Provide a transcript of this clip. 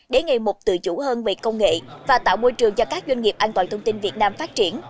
để ngày một tự chủ hơn về công nghệ và tạo môi trường cho các doanh nghiệp an toàn thông tin việt nam phát triển